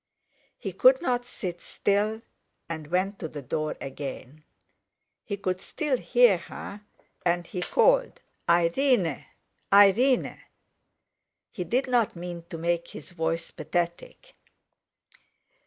He could not sit still, and went to the door again. He could still hear her, and he called: "Irene! Irene!" He did not mean to make his voice pathetic.